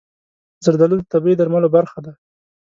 زردالو د طبیعي درملو برخه ده.